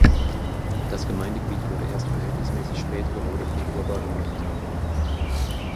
Das Gemeindegebiet wurde erst verhältnismässig spät gerodet und urbar gemacht.